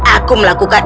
aku menanggapmu rapunzel